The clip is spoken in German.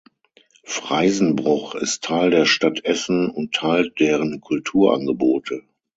Freisenbruch ist Teil der Stadt Essen und teilt deren Kulturangebote.